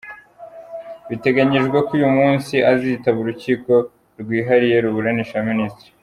Biteganyijwe ko uyu muyobozi azitaba urukiko rwihariye ruburanisha abaminisitiri.